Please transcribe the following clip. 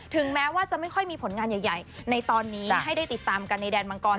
แม้ว่าจะไม่ค่อยมีผลงานใหญ่ในตอนนี้ให้ได้ติดตามกันในแดนมังกร